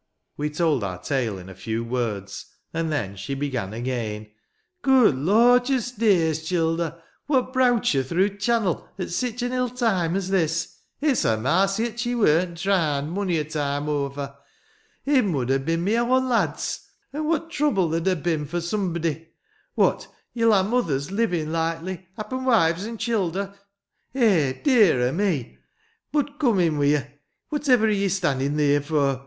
" We told our tale in a few words ; and then she began again. " Good lorjus days, childer! What browt yo through t' channel at sich an ill time as this ? It's a marcy 'at yo weren't draan'd mony 12 a time ower ! It mud ha' bin my awn lads ! Eh, what trouble there 'd ha' bin, for someb'dy. "What, ye'll ha' mothers livin', likely; happen wives and childer? Eh, dear o' me! Bud cum in wi' ye! Whativver are ye stonnin' theer for?